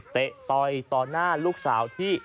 ต่อยต่อหน้าลูกสาวที่